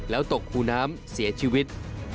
แล้วตกคูน้ำเสียชีวิต